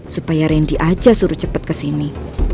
supaya rendy aja suruh cepet kesini